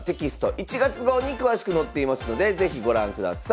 １月号に詳しく載っていますので是非ご覧ください。